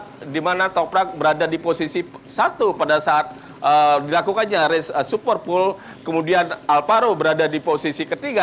sehingga alparo berada di posisi satu pada saat dilakukannya race super pool kemudian alparo berada di posisi ketiga